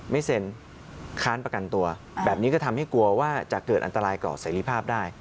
ไม่เซ็นค้านประกันตัวแบบนี้ก็ทำให้กลัวว่าจะเกิดอันตรายต่อเสรีภาพได้